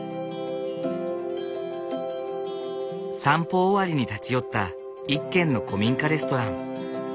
散歩終わりに立ち寄った一軒の古民家レストラン。